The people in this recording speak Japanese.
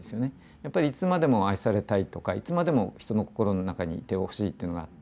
やっぱりいつまでも愛されたいとかいつまでも人の心の中にいてほしいっていうのがあって。